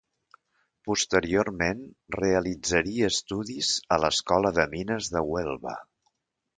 Posteriorment realitzaria estudis a l'Escola de Mines de Huelva.